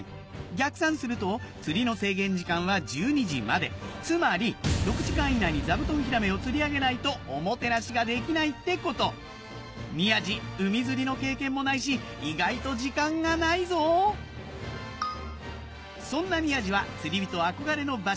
逆算すると釣りの制限時間は１２時までつまり６時間以内に座布団ヒラメを釣り上げないとおもてなしができないってこと宮治海釣りの経験もないし意外と時間がないぞそんな宮治は釣り人憧れの場所